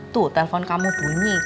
tuh telpon kamu bunyi